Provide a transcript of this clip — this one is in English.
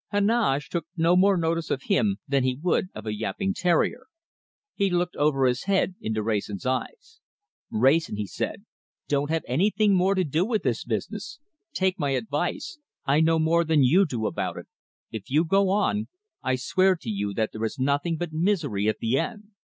Heneage took no more notice of him than he would of a yapping terrier. He looked over his head into Wrayson's eyes. "Wrayson," he said, "don't have anything more to do with this business. Take my advice. I know more than you do about it. If you go on, I swear to you that there is nothing but misery at the end."